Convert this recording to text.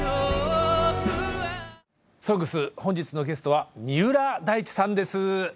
「ＳＯＮＧＳ」本日のゲストは三浦大知さんです。